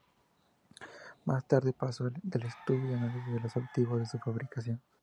Más tarde, pasó del estudio y análisis de los objetivos a su fabricación.